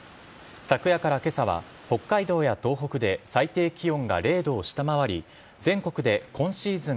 昨夜から今朝は北海道や東北で最低気温が０度を下回り全国で今シーズン